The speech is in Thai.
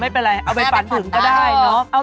ไม่เป็นไรเอาไปฝันถึงก็ได้เนอะ